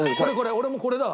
俺もこれだわ。